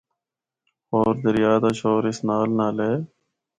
ہور دریا دا شور اس نال نال ہے۔